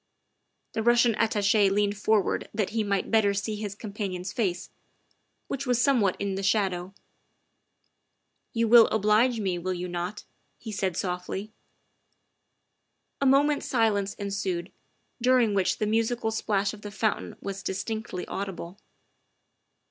The Eussian Attache leaned forward that he might better see his companion's face, which was somewhat in the shadow. '' You will oblige me, will you not ?" he said softly. A moment's silence ensued, during which the musical splash of the fountain was distinctly audible.